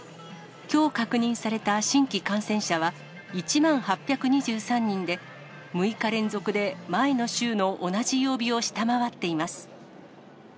きょう確認された新規感染者は、１万８２３人で、６日連続で前の週の同じ曜日を下回っています。